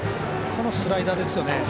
このスライダーですよね。